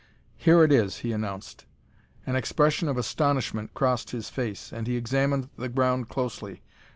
"Here it is," he announced. An expression of astonishment crossed his face and he examined the ground closely.